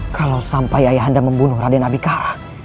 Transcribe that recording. kalau sampai ayah anda membunuh raden abikara